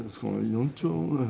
４兆ぐらい。